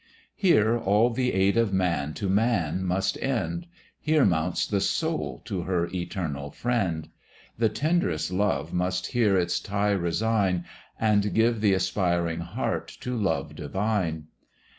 Here all the aid of man to man must end, Here mounts the soul to her eternal Friend: The tenderest love must here its tie resign, And give th' aspiring heart to love divine.